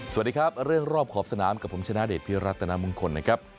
สวัสดีครับเรื่องรอบขอบสนามกับผมชนะเดชพิรัตนามงคลนะครับ